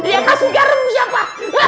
yang kasih garam siapa